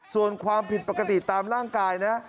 ส่วนความผิดปกติตามร่างกายนะ